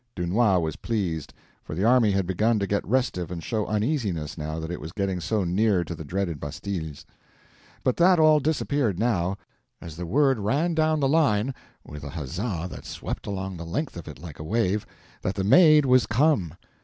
Dunois was pleased, for the army had begun to get restive and show uneasiness now that it was getting so near to the dreaded bastilles. But that all disappeared now, as the word ran down the line, with a huzza that swept along the length of it like a wave, that the Maid was come.